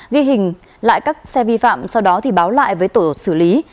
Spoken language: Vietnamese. ghi hình lại các xe vi phạm sau đó báo lại với tổ tục xử lý